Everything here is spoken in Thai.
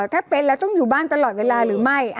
ถ้าเป็นเราต้องอยู่บ้านตลอดเวลาหรือไม่